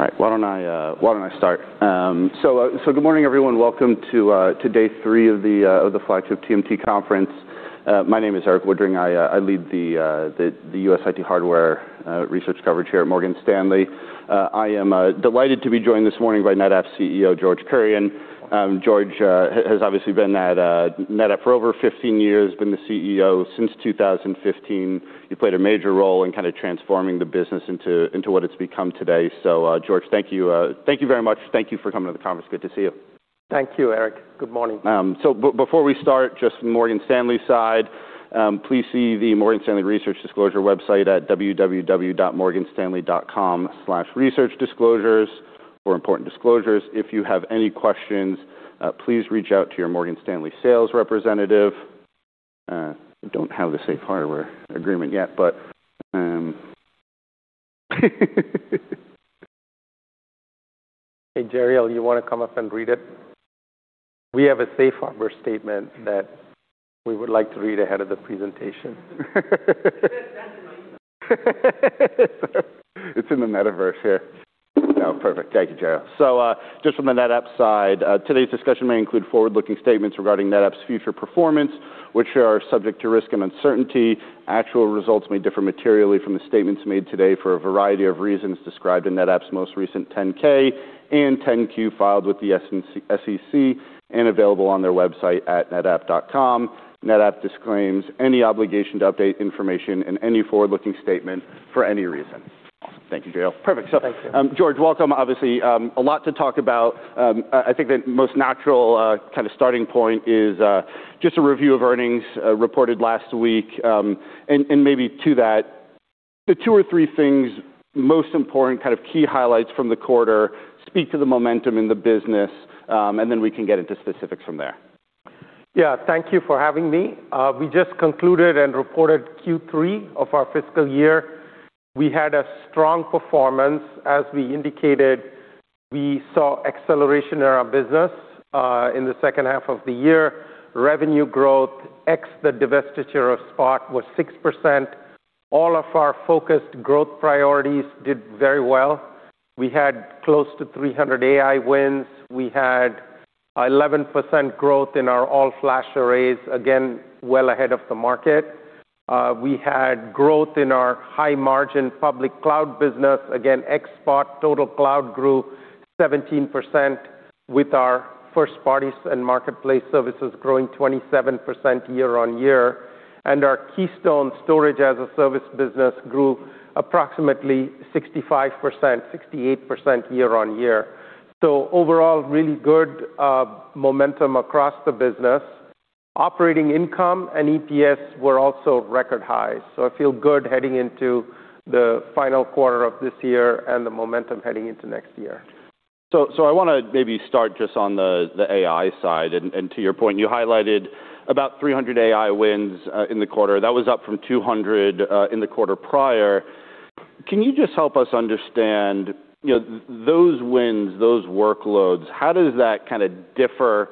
All right, why don't I start? Good morning, everyone. Welcome to day three of the flagship TMT conference. My name is Erik Woodring. I lead the U.S. IT hardware research coverage here at Morgan Stanley. I am delighted to be joined this morning by NetApp's CEO, George Kurian. George has obviously been at NetApp for over 15 years, been the CEO since 2015. He played a major role in kinda transforming the business into what it's become today. George, thank you. Thank you very much. Thank you for coming to the conference. Good to see you. Thank you, Erik. Good morning. Before we start, just Morgan Stanley's side, please see the Morgan Stanley research disclosure website at www.morganstanley.com/researchdisclosures for important disclosures. If you have any questions, please reach out to your Morgan Stanley sales representative. Don't have the safe harbor agreement yet, but. Hey, Gerald, you wanna come up and read it? We have a safe harbor statement that we would like to read ahead of the presentation. It's in the metaverse here. Oh, perfect. Thank you, Gerald. Just from the NetApp side, today's discussion may include forward-looking statements regarding NetApp's future performance, which are subject to risk and uncertainty. Actual results may differ materially from the statements made today for a variety of reasons described in NetApp's most recent 10-K and 10-Q filed with the SEC and available on their website at netapp.com. NetApp disclaims any obligation to update information in any forward-looking statement for any reason. Thank you, Gerald. Perfect. Thank you. George, welcome. Obviously, a lot to talk about. I think the most natural kinda starting point is just a review of earnings reported last week. Maybe to that, the two or three things most important, kind of key highlights from the quarter, speak to the momentum in the business, and then we can get into specifics from there. Yeah. Thank you for having me. We just concluded and reported Q3 of our fiscal year. We had a strong performance. As we indicated, we saw acceleration in our business in the second half of the year. Revenue growth ex the divestiture of Spot was 6%. All of our focused growth priorities did very well. We had close to 300 AI wins. We had 11% growth in our All-Flash Arrays, again, well ahead of the market. We had growth in our high-margin public cloud business. Again, ex Spot, total cloud grew 17% with our first parties and marketplace services growing 27% year-on-year. Our Keystone storage as a service business grew approximately 65%, 68% year-on-year. Overall, really good momentum across the business. Operating income and EPS were also record high. I feel good heading into the final quarter of this year and the momentum heading into next year. I wanna maybe start just on the AI side. To your point, you highlighted about 300 AI wins in the quarter. That was up from 200 in the quarter prior. Can you just help us understand, you know, those wins, those workloads, how does that kinda differ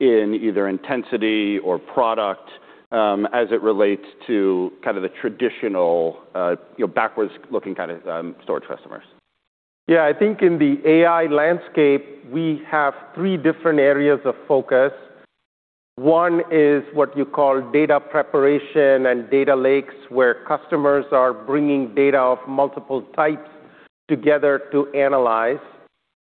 in either intensity or product as it relates to kind of the traditional, you know, backwards-looking kind of storage customers? Yeah. I think in the AI landscape, we have three different areas of focus. One is what you call data preparation and data lakes, where customers are bringing data of multiple types together to analyze.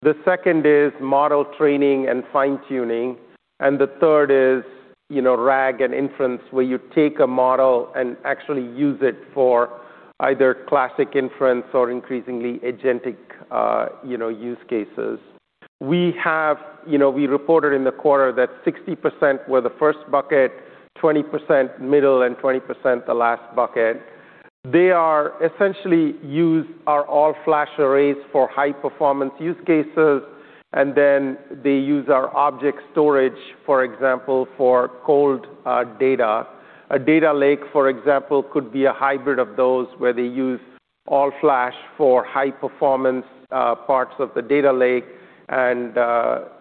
The second is model training and fine-tuning. The third is, you know, RAG and inference, where you take a model and actually use it for either classic inference or increasingly agentic, you know, use cases. You know, we reported in the quarter that 60% were the first bucket, 20% middle, and 20% the last bucket. They are essentially use our All-Flash Arrays for high-performance use cases, and then they use our object storage, for example, for cold data. A data lake, for example, could be a hybrid of those where they use All-Flash for high performance, parts of the data lake and,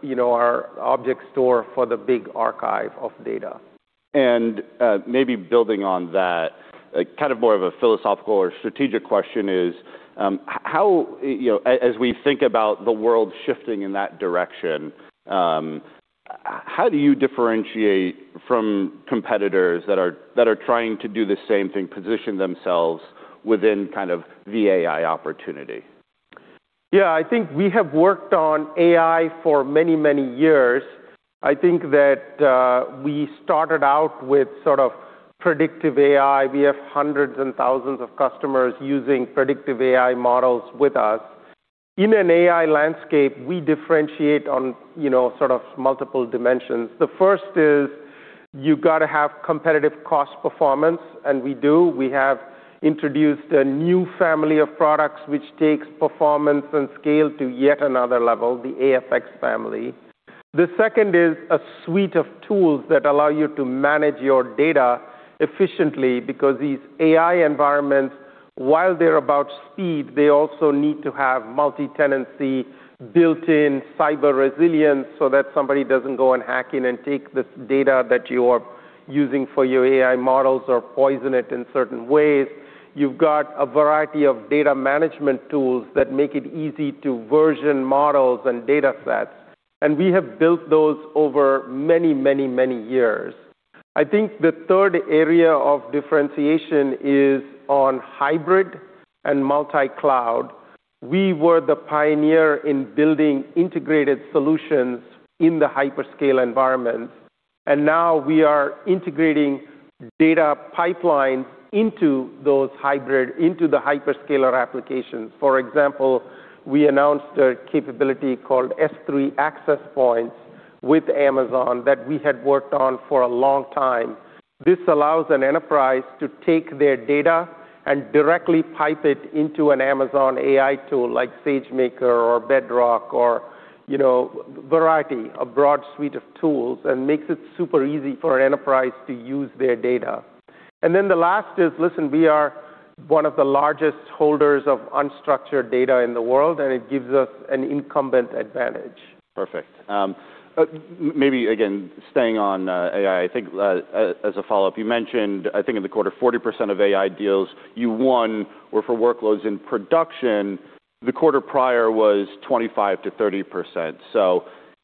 you know, our object store for the big archive of data. Maybe building on that, kind of more of a philosophical or strategic question is, how, you know, as we think about the world shifting in that direction, how do you differentiate from competitors that are trying to do the same thing, position themselves within kind of the AI opportunity? Yeah. I think we have worked on AI for many, many years. I think that we started out with sort of predictive AI. We have hundreds and thousands of customers using predictive AI models with us. In an AI landscape, we differentiate on, you know, sort of multiple dimensions. The first is you gotta have competitive cost performance, and we do. We have introduced a new family of products which takes performance and scale to yet another level, the AFX family. The second is a suite of tools that allow you to manage your data efficiently because these AI environments, while they're about speed, they also need to have multi-tenancy built in cyber resilience so that somebody doesn't go and hack in and take the data that you are using for your AI models or poison it in certain ways. You've got a variety of data management tools that make it easy to version models and datasets, and we have built those over many, many, many years. I think the third area of differentiation is on hybrid and multi-cloud. We were the pioneer in building integrated solutions in the hyperscale environments, and now we are integrating data pipelines into those hyperscaler applications. For example, we announced a capability called Amazon S3 Access Points with Amazon that we had worked on for a long time. This allows an enterprise to take their data and directly pipe it into an Amazon AI tool like Amazon SageMaker or Amazon Bedrock or, you know, variety, a broad suite of tools, and makes it super easy for an enterprise to use their data. The last is, listen, we are one of the largest holders of unstructured data in the world, and it gives us an incumbent advantage. Perfect. Maybe again, staying on AI, as a follow-up, you mentioned in the quarter, 40% of AI deals you won were for workloads in production. The quarter prior was 25%-30%.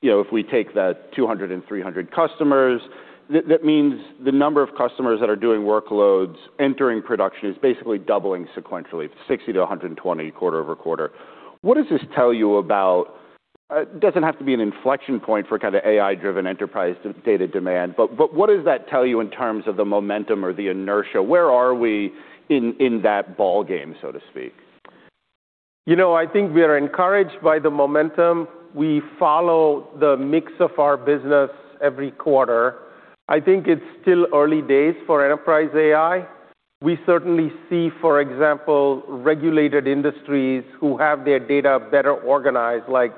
You know, if we take that 200 and 300 customers, that means the number of customers that are doing workloads entering production is basically doubling sequentially, 60-120 quarter-over-quarter. What does this tell you about? It doesn't have to be an inflection point for kind of AI-driven enterprise data demand, but what does that tell you in terms of the momentum or the inertia? Where are we in that ball game, so to speak? You know, I think we are encouraged by the momentum. We follow the mix of our business every quarter. I think it's still early days for enterprise AI. We certainly see, for example, regulated industries who have their data better organized, like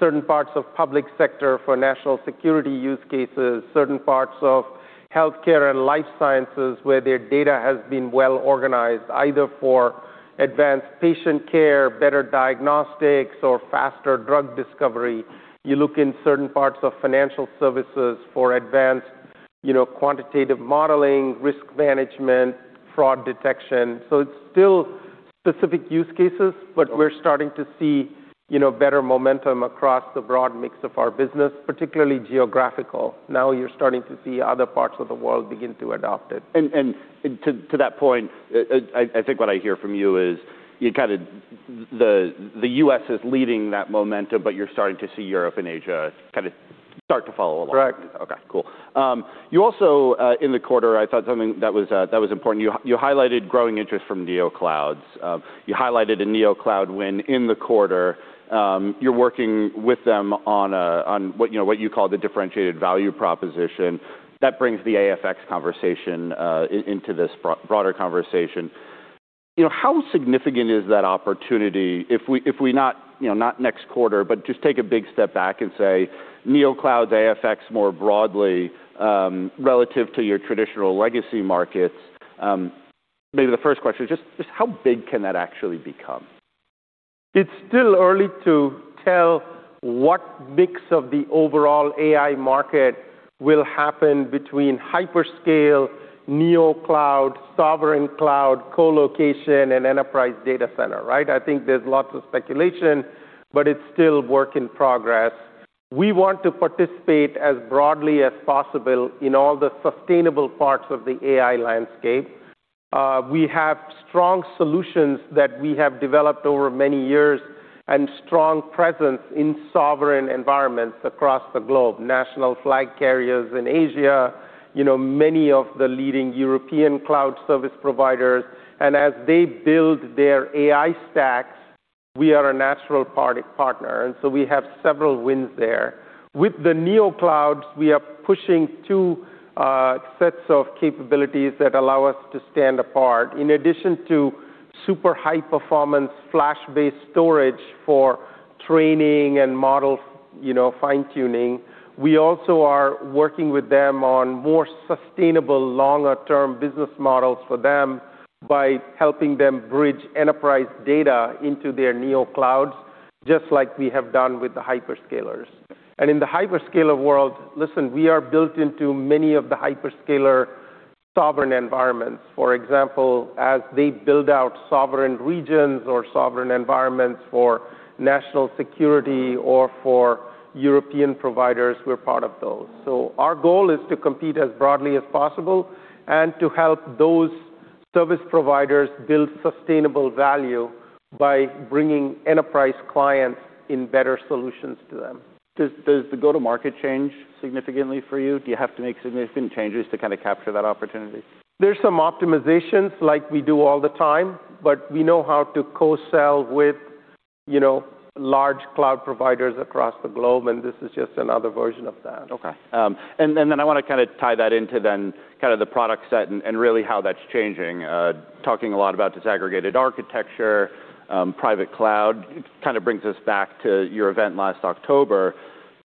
certain parts of public sector for national security use cases, certain parts of healthcare and life sciences, where their data has been well-organized, either for advanced patient care, better diagnostics, or faster drug discovery. You look in certain parts of financial services for advanced, you know, quantitative modeling, risk management, fraud detection. It's still specific use cases, but we're starting to see, you know, better momentum across the broad mix of our business, particularly geographical. You're starting to see other parts of the world begin to adopt it. To that point, I think what I hear from you is you kind of. The U.S. is leading that momentum, but you're starting to see Europe and Asia kind of start to follow along. Correct. Okay, cool. You also in the quarter, I thought something that was that was important, you highlighted growing interest from Neoclouds. You highlighted a Neocloud win in the quarter. You're working with them on what, you know, what you call the differentiated value proposition. That brings the AFX conversation into this broader conversation. You know, how significant is that opportunity if we not, you know, not next quarter, but just take a big step back and say, Neocloud, AFX more broadly, relative to your traditional legacy markets? Maybe the first question is just how big can that actually become? It's still early to tell what mix of the overall AI market will happen between hyperscale, Neocloud, sovereign cloud, colocation, and enterprise data center, right. I think there's lots of speculation, but it's still work in progress. We want to participate as broadly as possible in all the sustainable parts of the AI landscape. We have strong solutions that we have developed over many years and strong presence in sovereign environments across the globe, national flag carriers in Asia, you know, many of the leading European cloud service providers. As they build their AI stacks, we are a natural partner. So we have several wins there. With the Neoclouds, we are pushing two sets of capabilities that allow us to stand apart. In addition to super high-performance flash-based storage for training and model, you know, fine-tuning, we also are working with them on more sustainable longer-term business models for them by helping them bridge enterprise data into their Neoclouds, just like we have done with the hyperscalers. In the hyperscaler world, listen, we are built into many of the hyperscaler sovereign environments. For example, as they build out sovereign regions or sovereign environments for national security or for European providers, we're part of those. Our goal is to compete as broadly as possible and to help those service providers build sustainable value by bringing enterprise clients and better solutions to them. Does the go-to-market change significantly for you? Do you have to make significant changes to kind of capture that opportunity? There's some optimizations like we do all the time, but we know how to co-sell with, you know, large cloud providers across the globe, and this is just another version of that. Okay. Then I want to kind of tie that into then kind of the product set and really how that's changing. Talking a lot about disaggregated architecture, private cloud. It kind of brings us back to your event last October.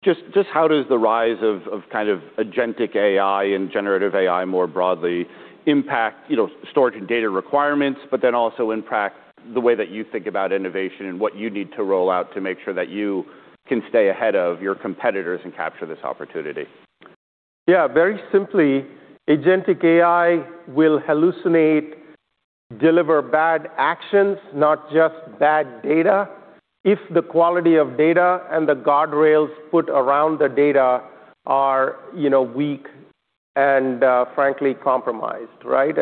Just how does the rise of kind of agentic AI and generative AI more broadly impact, you know, storage and data requirements, but then also impact the way that you think about innovation and what you need to roll out to make sure that you can stay ahead of your competitors and capture this opportunity? Yeah, very simply, agentic AI will hallucinate, deliver bad actions, not just bad data if the quality of data and the guardrails put around the data are, you know, weak and frankly compromised, right?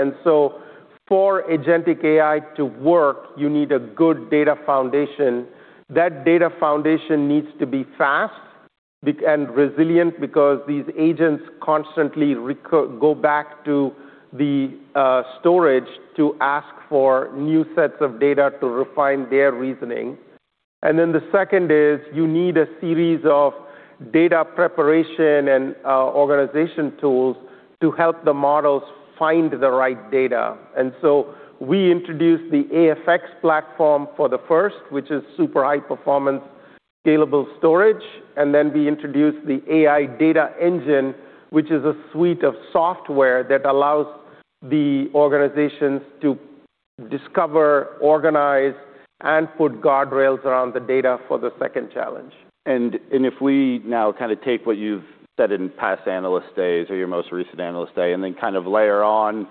For agentic AI to work, you need a good data foundation. That data foundation needs to be fast and resilient because these agents constantly go back to the storage to ask for new sets of data to refine their reasoning. The second is you need a series of data preparation and organization tools to help the models find the right data. We introduced the AFX platform for the first, which is super high performance scalable storage. We introduced the AI Data Engine, which is a suite of software that allows the organizations to discover, organize, and put guardrails around the data for the second challenge. If we now kind of take what you've said in past analyst days or your most recent analyst day, then kind of layer on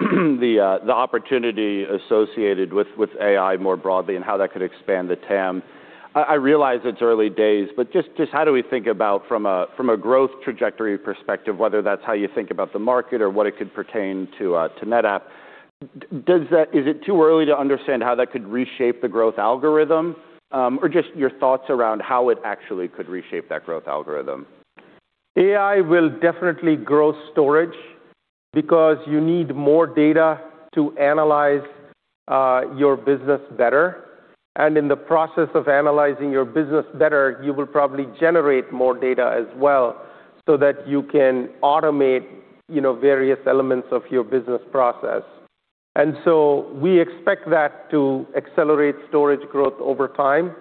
the opportunity associated with AI more broadly and how that could expand the TAM. I realize it's early days, but just how do we think about from a growth trajectory perspective, whether that's how you think about the market or what it could pertain to NetApp? Is it too early to understand how that could reshape the growth algorithm, or just your thoughts around how it actually could reshape that growth algorithm? AI will definitely grow storage because you need more data to analyze, your business better. In the process of analyzing your business better, you will probably generate more data as well so that you can automate, you know, various elements of your business process. We expect that to accelerate storage growth over time,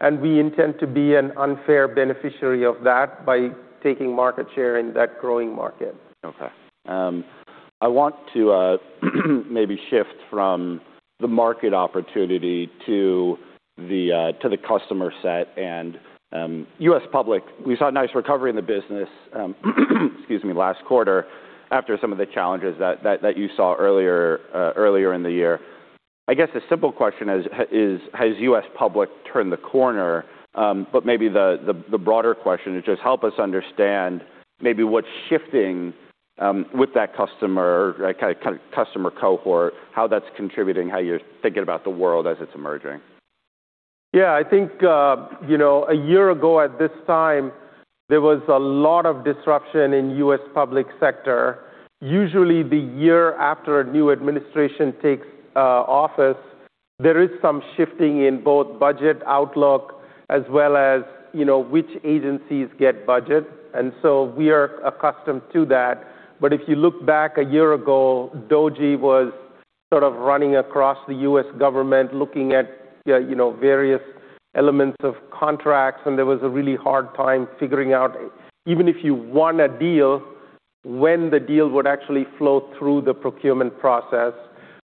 and we intend to be an unfair beneficiary of that by taking market share in that growing market. I want to maybe shift from the market opportunity to the customer set and U.S. public. We saw a nice recovery in the business, excuse me, last quarter after some of the challenges that you saw earlier in the year. I guess the simple question is. Has U.S. public turned the corner? Maybe the broader question is just help us understand maybe what's shifting with that customer, like, kind of customer cohort, how that's contributing, how you're thinking about the world as it's emerging. I think, you know, a year ago at this time, there was a lot of disruption in U.S. public sector. Usually, the year after a new administration takes office, there is some shifting in both budget outlook as well as, you know, which agencies get budget. We are accustomed to that. If you look back a year ago, DoD was sort of running across the U.S. government, looking at, you know, various elements of contracts, and there was a really hard time figuring out, even if you won a deal, when the deal would actually flow through the procurement process.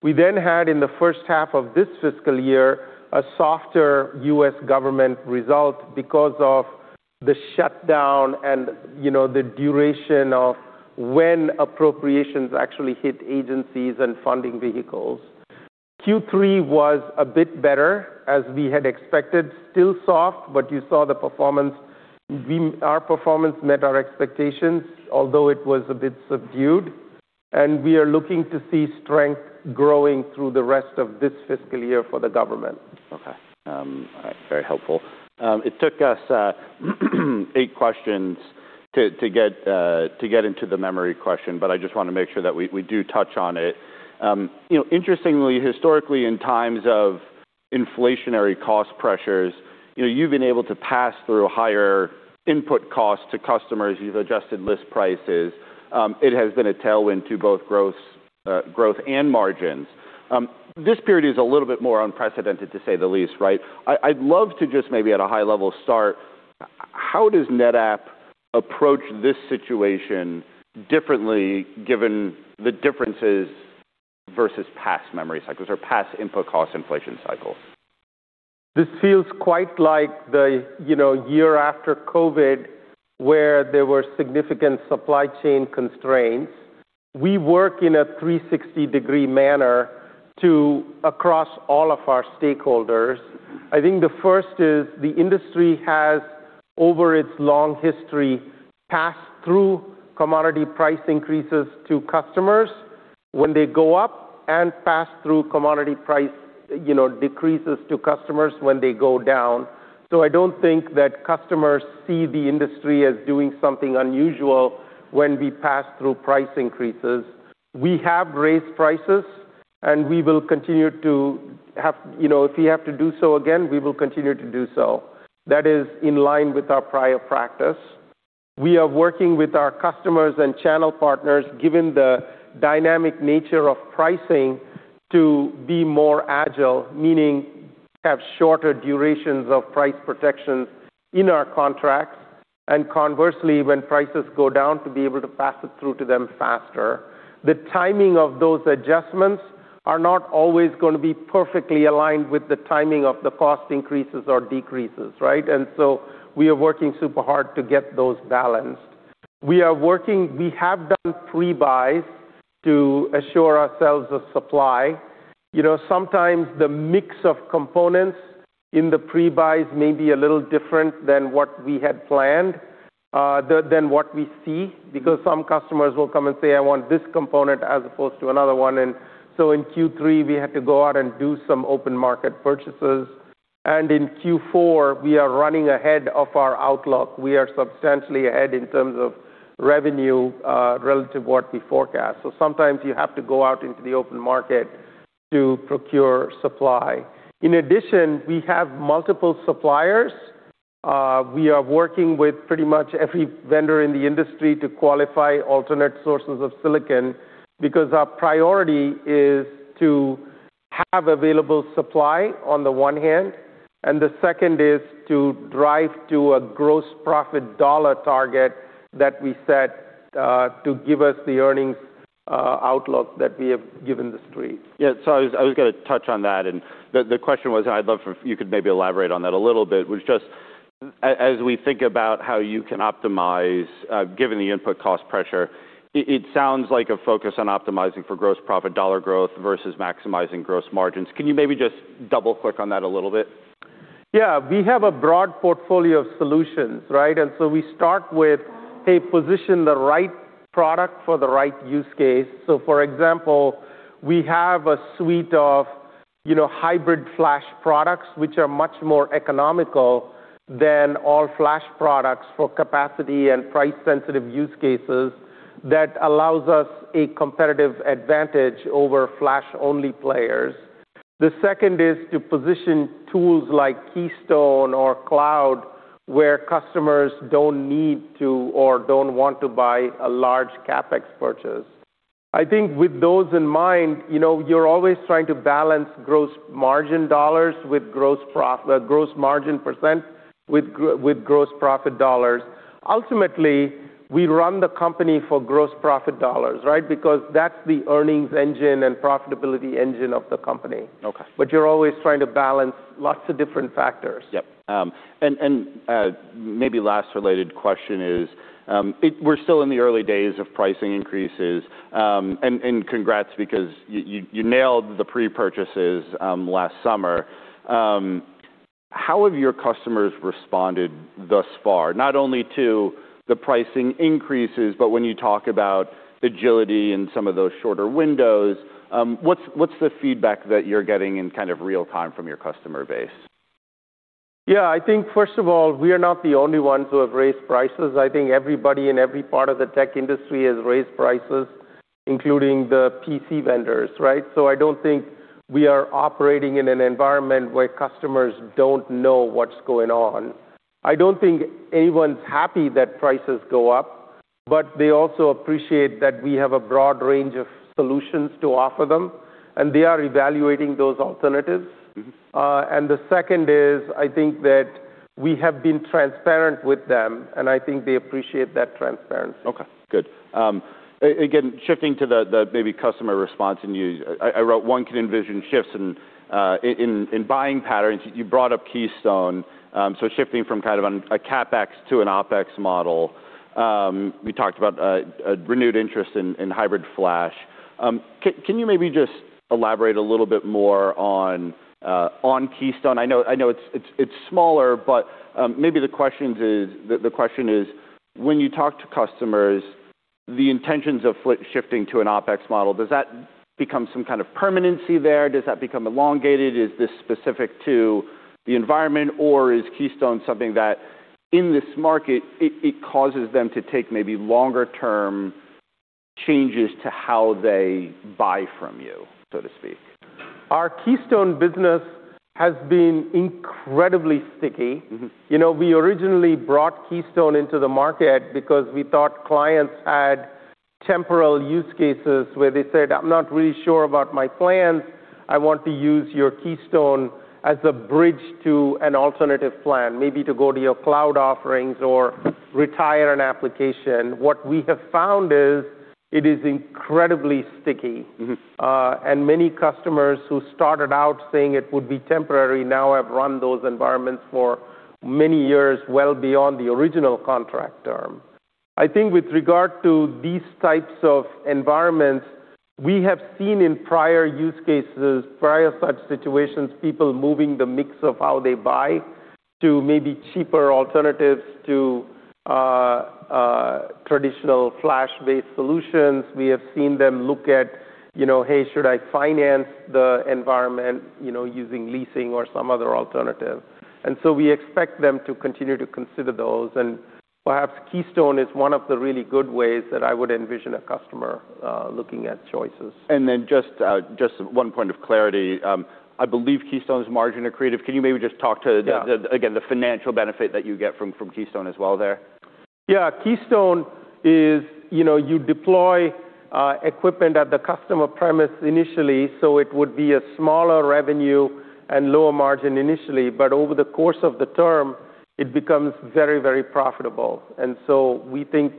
We then had, in the first half of this fiscal year, a softer U.S. government result because of the shutdown and, you know, the duration of when appropriations actually hit agencies and funding vehicles. Q3 was a bit better, as we had expected. Still soft, but you saw the performance. Our performance met our expectations, although it was a bit subdued. We are looking to see strength growing through the rest of this fiscal year for the government. Okay. All right. Very helpful. It took us eight questions to get into the memory question, but I just wanna make sure that we do touch on it. You know, interestingly, historically, in times of inflationary cost pressures, you know, you've been able to pass through higher input costs to customers. You've adjusted list prices. It has been a tailwind to both growth and margins. This period is a little bit more unprecedented to say the least, right? I'd love to just maybe at a high level start, how does NetApp approach this situation differently given the differences versus past memory cycles or past input cost inflation cycles? This feels quite like the, you know, year after COVID, where there were significant supply chain constraints. We work in a 360 degree manner across all of our stakeholders. I think the first is the industry has, over its long history, passed through commodity price increases to customers when they go up and pass through commodity price, you know, decreases to customers when they go down. I don't think that customers see the industry as doing something unusual when we pass through price increases. We have raised prices, and we will continue. You know, if we have to do so again, we will continue to do so. That is in line with our prior practice. We are working with our customers and channel partners, given the dynamic nature of pricing, to be more agile, meaning have shorter durations of price protections in our contracts, and conversely, when prices go down, to be able to pass it through to them faster. The timing of those adjustments are not always gonna be perfectly aligned with the timing of the cost increases or decreases, right? We are working super hard to get those balanced. We have done pre-buys to assure ourselves of supply. You know, sometimes the mix of components in the pre-buys may be a little different than what we had planned, than what we see, because some customers will come and say, "I want this component as opposed to another one." In Q3, we had to go out and do some open market purchases. In Q4, we are running ahead of our outlook. We are substantially ahead in terms of revenue, relative to what we forecast. Sometimes you have to go out into the open market to procure supply. In addition, we have multiple suppliers. We are working with pretty much every vendor in the industry to qualify alternate sources of silicon, because our priority is to have available supply on the one hand, and the second is to drive to a gross profit dollar target that we set, to give us the earnings outlook that we have given the street. I was gonna touch on that, and the question was, I'd love for if you could maybe elaborate on that a little bit, was just as we think about how you can optimize given the input cost pressure, it sounds like a focus on optimizing for gross profit dollar growth versus maximizing gross margins. Can you maybe just double-click on that a little bit? Yeah. We have a broad portfolio of solutions, right? We start with, hey, position the right product for the right use case. For example, we have a suite of, you know, hybrid flash products, which are much more economical than All-Flash products for capacity and price-sensitive use cases that allows us a competitive advantage over flash-only players. The second is to position tools like Keystone or Cloud, where customers don't need to or don't want to buy a large CapEx purchase. I think with those in mind, you know, you're always trying to balance gross margin dollars with gross margin % with gross profit dollars. Ultimately, we run the company for gross profit dollars, right? That's the earnings engine and profitability engine of the company. Okay. You're always trying to balance lots of different factors. Yep. Maybe last related question is, we're still in the early days of pricing increases. Congrats because you nailed the pre-purchases last summer. How have your customers responded thus far, not only to the pricing increases, but when you talk about agility and some of those shorter windows, what's the feedback that you're getting in kind of real time from your customer base? I think first of all, we are not the only ones who have raised prices. I think everybody in every part of the tech industry has raised prices, including the PC vendors, right? I don't think we are operating in an environment where customers don't know what's going on. I don't think anyone's happy that prices go up, but they also appreciate that we have a broad range of solutions to offer them, and they are evaluating those alternatives. Mm-hmm. The second is, I think that we have been transparent with them, and I think they appreciate that transparency. Okay, good. Shifting to the maybe customer response in you. I wrote one can envision shifts in buying patterns. You brought up Keystone, so shifting from kind of a CapEx to an OpEx model. We talked about a renewed interest in hybrid flash. Can you maybe just elaborate a little bit more on Keystone? I know it's smaller, but maybe the question is, when you talk to customers, the intentions of shifting to an OpEx model, does that become some kind of permanency there? Does that become elongated? Is this specific to the environment, or is Keystone something that in this market, it causes them to take maybe longer term changes to how they buy from you, so to speak? Our Keystone business has been incredibly sticky. Mm-hmm. You know, we originally brought Keystone into the market because we thought clients had temporal use cases where they said, "I'm not really sure about my plans. I want to use your Keystone as a bridge to an alternative plan, maybe to go to your cloud offerings or retire an application." What we have found is it is incredibly sticky. Mm-hmm. Many customers who started out saying it would be temporary now have run those environments for many years, well beyond the original contract term. I think with regard to these types of environments, we have seen in prior use cases, prior such situations, people moving the mix of how they buy to maybe cheaper alternatives to traditional flash-based solutions. We have seen them look at, you know, "Hey, should I finance the environment, you know, using leasing or some other alternative?" We expect them to continue to consider those. Perhaps Keystone is one of the really good ways that I would envision a customer looking at choices. Just one point of clarity. I believe Keystone's margin accretive. Can you maybe just talk to the? Yeah. The, again, the financial benefit that you get from Keystone as well there? Yeah. Keystone is, you know, you deploy equipment at the customer premise initially, so it would be a smaller revenue and lower margin initially. Over the course of the term, it becomes very, very profitable. We think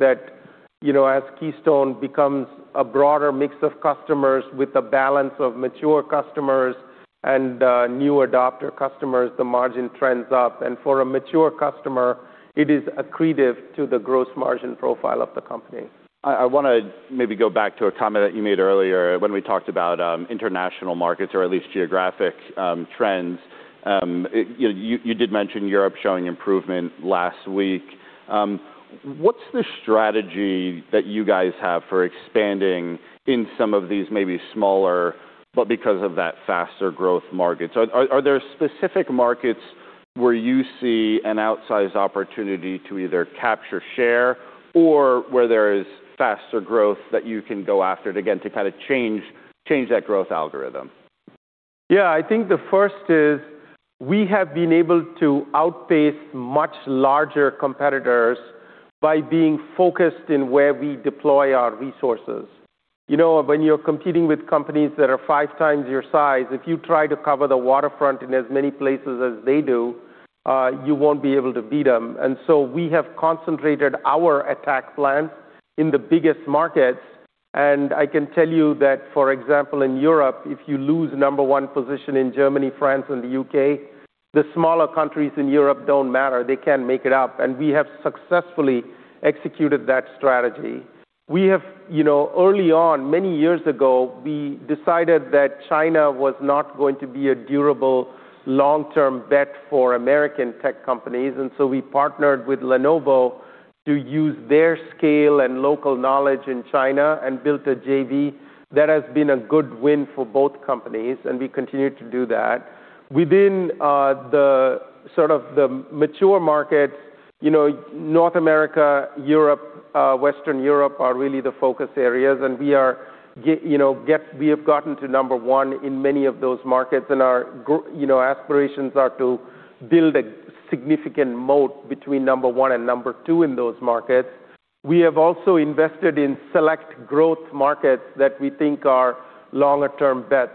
You know, as Keystone becomes a broader mix of customers with a balance of mature customers and new adopter customers, the margin trends up. For a mature customer, it is accretive to the gross margin profile of the company. I wanna maybe go back to a comment that you made earlier when we talked about international markets or at least geographic trends. You did mention Europe showing improvement last week. What's the strategy that you guys have for expanding in some of these maybe smaller but because of that faster growth markets? Are there specific markets where you see an outsized opportunity to either capture share or where there is faster growth that you can go after to, again, to kinda change that growth algorithm? Yeah. I think the first is we have been able to outpace much larger competitors by being focused in where we deploy our resources. You know, when you're competing with companies that are 5 times your size, if you try to cover the waterfront in as many places as they do, you won't be able to beat them. We have concentrated our attack plan in the biggest markets. I can tell you that, for example, in Europe, if you lose number one position in Germany, France, and the U.K., the smaller countries in Europe don't matter. They can't make it up. We have successfully executed that strategy. We have. You know, early on, many years ago, we decided that China was not going to be a durable long-term bet for American tech companies, and so we partnered with Lenovo to use their scale and local knowledge in China, and built a JV that has been a good win for both companies, and we continue to do that. Within the sort of the mature markets, you know, North America, Europe, Western Europe are really the focus areas, and we have gotten to number one in many of those markets, and our, you know, aspirations are to build a significant moat between number one and number two in those markets. We have also invested in select growth markets that we think are longer term bets.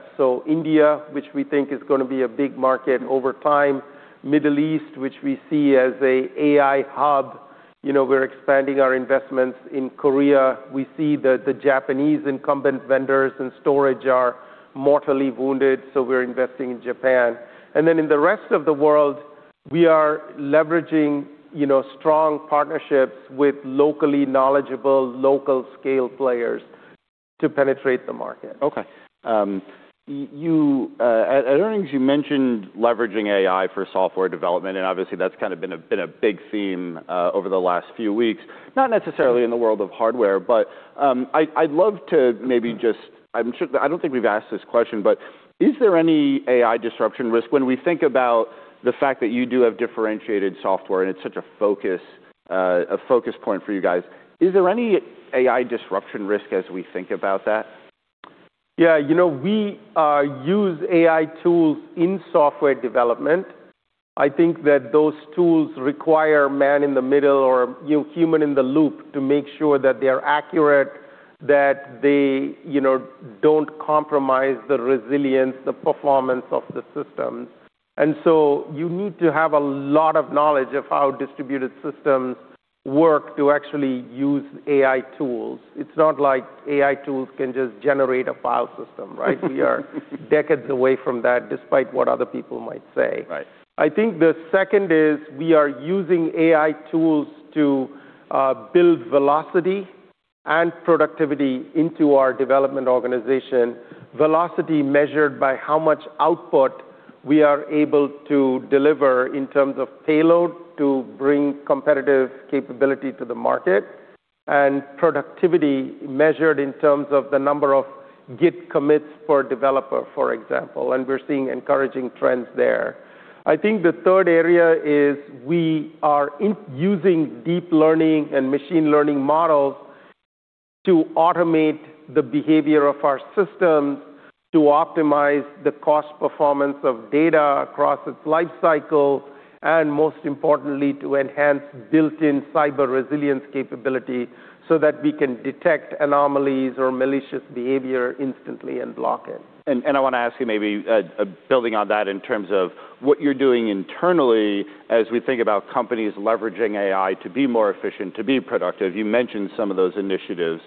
India, which we think is gonna be a big market over time. Middle East, which we see as a AI hub. You know, we're expanding our investments in Korea. We see the Japanese incumbent vendors and storage are mortally wounded, so we're investing in Japan. Then in the rest of the world, we are leveraging, you know, strong partnerships with locally knowledgeable, local scale players to penetrate the market. Okay. You at earnings, you mentioned leveraging AI for software development. Obviously that's kinda been a big theme over the last few weeks. Not necessarily in the world of hardware. I'd love to maybe just, I don't think we've asked this question. Is there any AI disruption risk when we think about the fact that you do have differentiated software, and it's such a focus point for you guys? Is there any AI disruption risk as we think about that? Yeah. You know, we use AI tools in software development. I think that those tools require man in the middle or, you know, human in the loop to make sure that they're accurate, that they, you know, don't compromise the resilience, the performance of the systems. You need to have a lot of knowledge of how distributed systems work to actually use AI tools. It's not like AI tools can just generate a file system, right? We are decades away from that, despite what other people might say. Right. I think the second is we are using AI tools to build velocity and productivity into our development organization. Velocity measured by how much output we are able to deliver in terms of payload to bring competitive capability to the market. Productivity measured in terms of the number of Git commits per developer, for example, and we're seeing encouraging trends there. I think the third area is we are using deep learning and machine learning models to automate the behavior of our systems to optimize the cost performance of data across its lifecycle. Most importantly, to enhance built-in cyber resilience capability so that we can detect anomalies or malicious behavior instantly and block it. I wanna ask you maybe building on that in terms of what you're doing internally as we think about companies leveraging AI to be more efficient, to be productive. You mentioned some of those initiatives.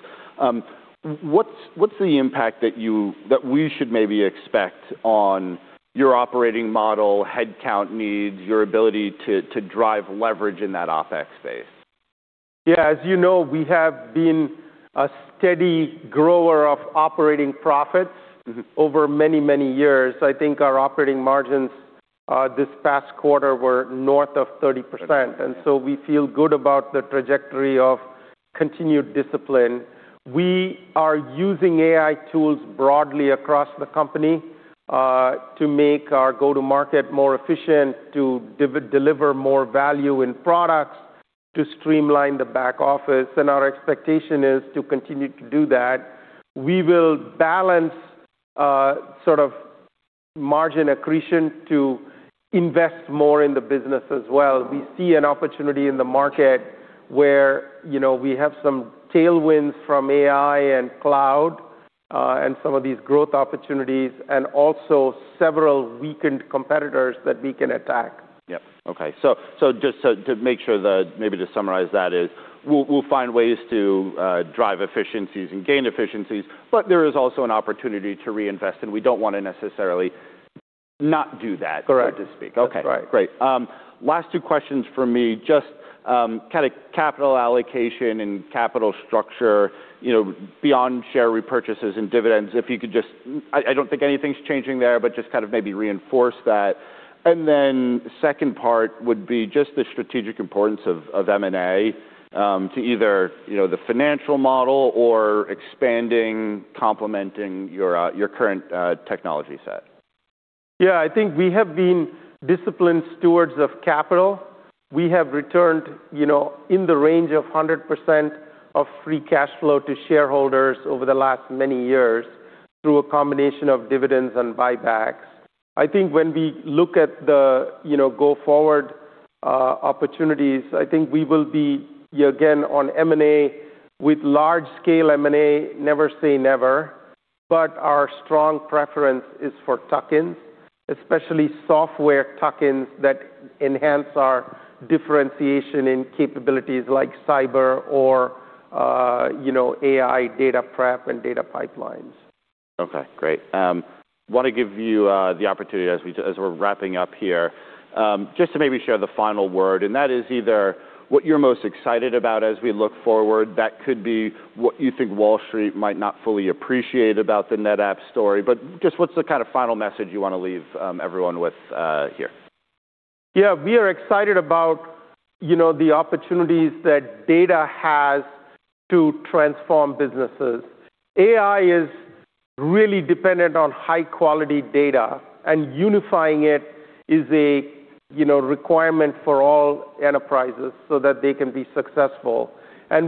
What's the impact that we should maybe expect on your operating model, headcount needs, your ability to drive leverage in that OpEx space? Yeah. As you know, we have been a steady grower of operating profits. Mm-hmm. Over many, many years. I think our operating margins this past quarter were north of 30%. We feel good about the trajectory of continued discipline. We are using AI tools broadly across the company to make our go-to-market more efficient, to deliver more value in products, to streamline the back office. Our expectation is to continue to do that. We will balance sort of margin accretion to invest more in the business as well. We see an opportunity in the market where, you know, we have some tailwinds from AI and cloud. Some of these growth opportunities and also several weakened competitors that we can attack. Yep. Okay. Just to make sure that maybe to summarize that is we'll find ways to drive efficiencies and gain efficiencies, but there is also an opportunity to reinvest, and we don't wanna necessarily not do that. Correct So to speak. That's right. Okay. Great. Last two questions from me. Just kinda capital allocation and capital structure, you know, beyond share repurchases and dividends, if you could just. I don't think anything's changing there, but just kind of maybe reinforce that. Second part would be just the strategic importance of M&A, to either, you know, the financial model or expanding, complementing your current technology set. I think we have been disciplined stewards of capital. We have returned, you know, in the range of 100% of free cash flow to shareholders over the last many years through a combination of dividends and buybacks. I think when we look at the, you know, go-forward opportunities, I think we will be, again, on M&A. With large-scale M&A, never say never, but our strong preference is for tuck-ins, especially software tuck-ins that enhance our differentiation and capabilities like cyber or, you know, AI data prep and data pipelines. Okay. Great. wanna give you the opportunity as we're wrapping up here, just to maybe share the final word, and that is either what you're most excited about as we look forward. That could be what you think Wall Street might not fully appreciate about the NetApp story. just what's the kind of final message you wanna leave, everyone with, here? Yeah. We are excited about, you know, the opportunities that data has to transform businesses. AI is really dependent on high-quality data, and unifying it is a, you know, requirement for all enterprises so that they can be successful.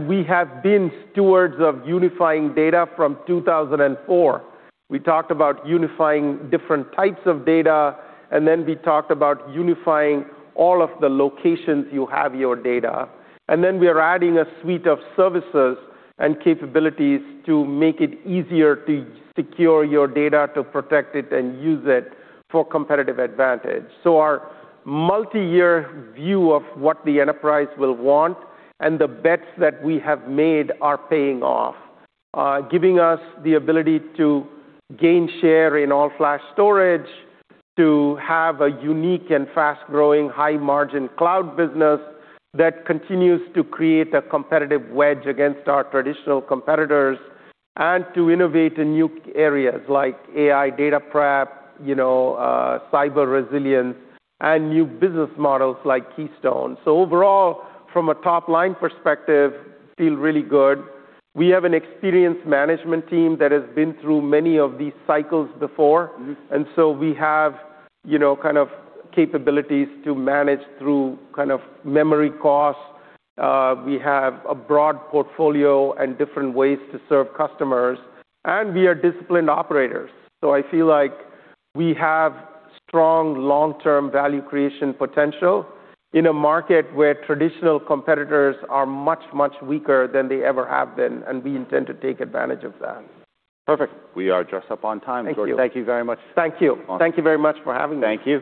We have been stewards of unifying data from 2004. We talked about unifying different types of data, and then we talked about unifying all of the locations you have your data. We are adding a suite of services and capabilities to make it easier to secure your data, to protect it, and use it for competitive advantage. Our multiyear view of what the enterprise will want and the bets that we have made are paying off, giving us the ability to gain share in all-flash storage, to have a unique and fast-growing, high-margin cloud business that continues to create a competitive wedge against our traditional competitors, and to innovate in new areas like AI data prep, you know, cyber resilience, and new business models like Keystone. Overall, from a top-line perspective, feel really good. We have an experienced management team that has been through many of these cycles before. Mm-hmm. We have, you know, kind of capabilities to manage through kind of memory costs. We have a broad portfolio and different ways to serve customers, and we are disciplined operators. I feel like we have strong long-term value creation potential in a market where traditional competitors are much, much weaker than they ever have been, and we intend to take advantage of that. Perfect. We are just up on time, George. Thank you. Thank you very much. Thank you. Awesome. Thank you very much for having me. Thank you.